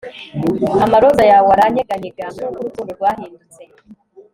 amaroza yawe aranyeganyega, nkuko urukundo rwahindutse